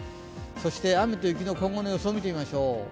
そして雨と雪の今後の予想を見てみましょう。